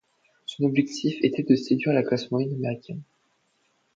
Son objectif était de séduire la classe moyenne américaine.